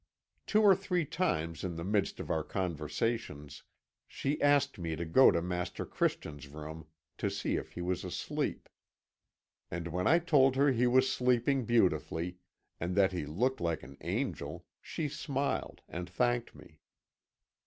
Two or three times in the midst of our conversation, she asked me to go to Master Christian's room to see if he was asleep, and when I told her he was sleeping beautifully, and that he looked like an angel, she smiled, and thanked me.